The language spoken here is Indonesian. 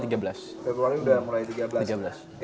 februari udah mulai tiga belas